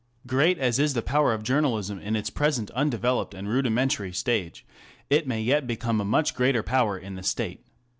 ii. Great as is the power of journalism in its present undeveloped and rudimentary stage, it may yet become a much greater power in the State.